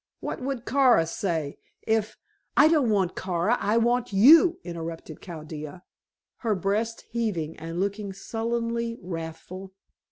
"What would Kara say if " "I don't want Kara. I want you," interrupted Chaldea, her breast heaving, and looking sullenly wrathful.